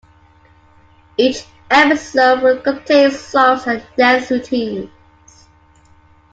Each episode would contain songs and dance routines.